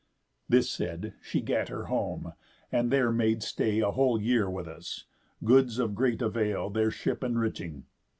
This said, she gat her home, and there made stay A whole year with us, goods of great avail Their ship enriching.